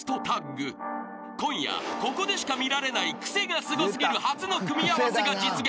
［今夜ここでしか見られないクセがスゴ過ぎる初の組み合わせが実現。